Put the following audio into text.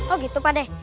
oh gitu pak de